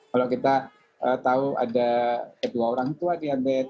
kalau kita tahu ada kedua orang tua diabetes